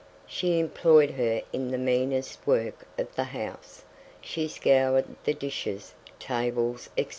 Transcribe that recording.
She employed her in the meanest work of the house: she scoured the dishes, tables, etc.